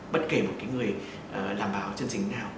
bất kể một người làm báo chương trình nào